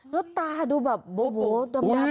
แล้วตาดูแบบโหโหโหดำ